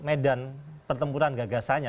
medan pertempuran gagasannya